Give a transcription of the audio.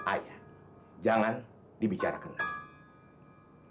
ayah jangan dibicarakan lagi